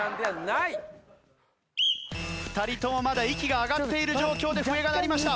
２人ともまだ息が上がっている状況で笛が鳴りました。